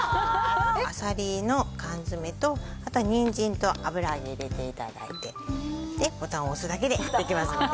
あさりの缶詰とあとは人参と油揚げ入れて頂いてでボタンを押すだけでできますのでね。